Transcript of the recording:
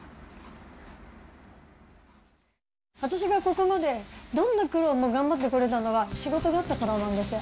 私がここまでどんな苦労も頑張ってこれたのは、仕事があったからなんですよ。